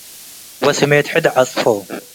ወስሜት ሕድ ዐጽፎ ።